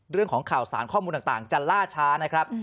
เรื่องของข่าวสารข้อมูลต่างจะล่าช้านะครับ